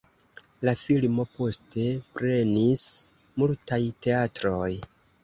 La filmo poste prenis multaj teatroj.